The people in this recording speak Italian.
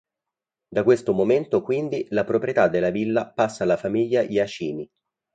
Da questo momento quindi la proprietà della villa passa alla famiglia Jacini.